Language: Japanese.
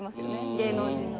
芸能人の。